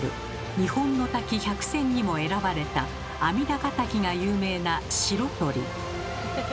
「日本の滝１００選」にも選ばれた阿弥陀ヶ滝が有名な白鳥。